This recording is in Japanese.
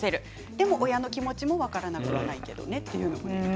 でも親の気持ちも分からなくはないけどね、ということです。